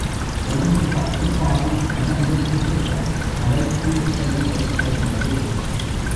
ஒன்று பத்து பாகம் நரம்புத் திசுக்கள் களைப்பு எப்படி ஏற்படுகிறது.